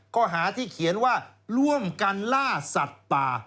ข้อหาที่เขียนว่าร่วมกันล่าสัตว์ป่า